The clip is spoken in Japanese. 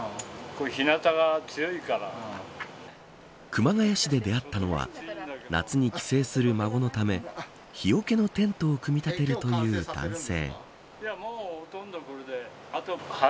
熊谷市で出会ったのは夏に帰省する孫のため日よけのテントを組み立てるという男性。